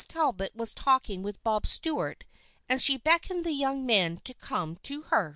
Talbot was talking with Bob Stuart and she beckoned the young men to come to her.